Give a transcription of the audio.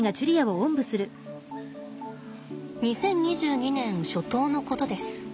２０２２年初頭のことです。